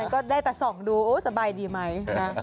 ก็ได้แต่ส่องดูโอ้สบายดีไหมนะ